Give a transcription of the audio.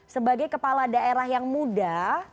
sebagai kepala daerah yang muda